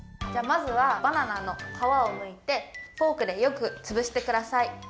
じゃあまずはバナナのかわをむいてフォークでよくつぶしてください。